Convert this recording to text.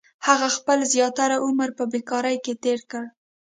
• هغه خپل زیاتره عمر بېکاره تېر کړ.